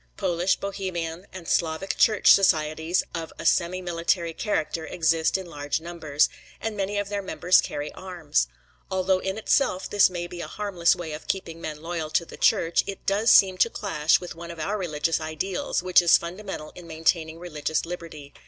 Polish, Bohemian and Slovak church societies of a semi military character exist in large numbers, and many of their members carry arms. Although in itself this may be a harmless way of keeping men loyal to the Church, it does seem to clash with one of our religious ideals, which is fundamental in maintaining religious liberty.